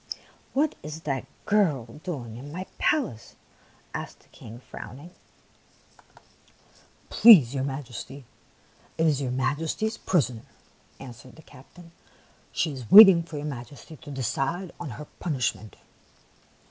" What is that girl doing in my palace ?" asked the King, frowning. I40 THE PALACE ON THE FLOOR " Please your Majesty, it is your Majesty's prisoner," answered the captain, —'' she is waiting for your Majesty to decide on her punishment."